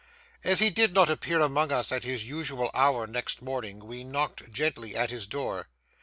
As he did not appear among us at his usual hour next morning, we knocked gently at his door.